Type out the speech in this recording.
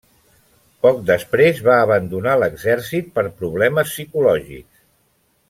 Poc després va abandonar l'exèrcit per problemes psicològics.